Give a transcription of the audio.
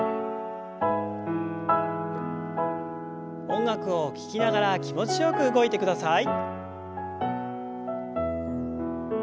音楽を聞きながら気持ちよく動いてください。